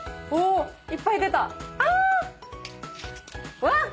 うわっ！